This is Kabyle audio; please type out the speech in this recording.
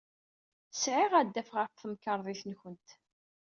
Sɛiɣ adaf ɣer temkarḍit-nwent.